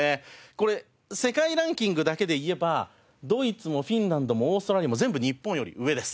これ世界ランキングだけで言えばドイツもフィンランドもオーストラリアも全部日本より上です。